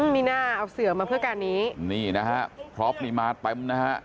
มีน่าเอาเสือมาเพื่อการนี้นี่นะฮะพร็อปนี่มาเต็มนะฮะ